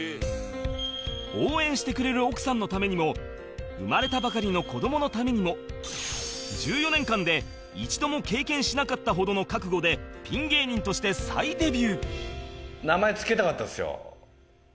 応援してくれる奥さんのためにも生まれたばかりの子どものためにも１４年間で一度も経験しなかったほどの覚悟でピン芸人として再デビュー